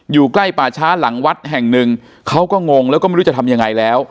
อยู่ใกล้ป่าช้าหลังวัดแห่งหนึ่งเขาก็งงแล้วก็ไม่รู้จะทำยังไงแล้ว